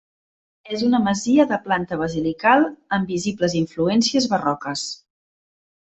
És una masia de planta basilical amb visibles influències barroques.